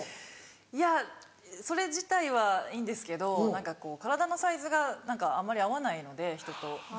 いやそれ自体はいいんですけど何かこう体のサイズが何かあまり合わないので人と。